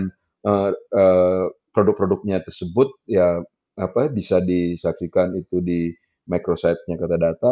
nah produk produknya tersebut ya bisa disaksikan itu di micrositenya kata data